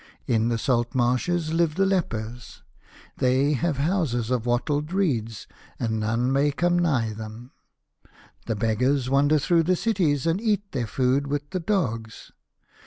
In the salt marshes live the lepers ; they have houses of wattled reeds, and none may come nigh them. The beggars wander through the cities, and eat their food with the dogs.